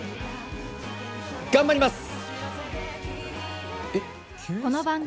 頑張ります